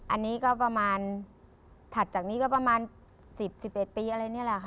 อันนี้ก็ประมาณถัดจากนี้ก็ประมาณ๑๐๑๑ปีอะไรนี่แหละค่ะ